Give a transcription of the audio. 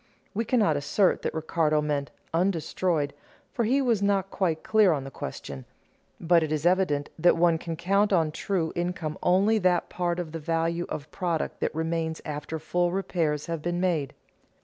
We cannot assert that Ricardo meant undestroyed, for he was not quite clear on the question. But it is evident that one can count as true income only that part of the value of product that remains after full repairs have been made.